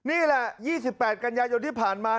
นี่แหละ๒๘กันยายนที่ผ่านมา